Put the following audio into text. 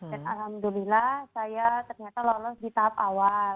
dan alhamdulillah saya ternyata lolos di tahap awal